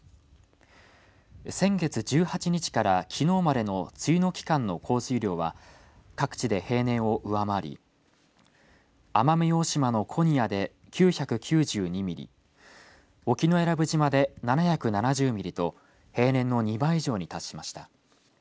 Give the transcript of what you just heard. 先月１８日から、きのうまでの梅雨の期間の降水量は各地で平年を上回り奄美大島の古仁屋で９９２ミリ沖永良部島で７７０ミリと平年の２倍以上に達しました。